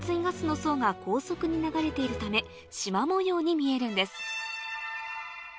ガスの層が高速に流れているため縞模様に見えるんです